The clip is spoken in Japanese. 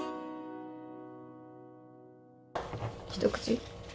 一口？